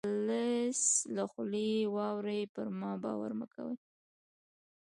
د خالص له خولې یې واورۍ پر ما باور مه کوئ.